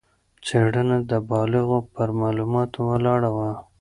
څېړنه د بالغانو پر معلوماتو ولاړه وه.